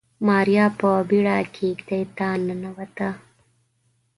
ماريا په بيړه کېږدۍ ته ننوته.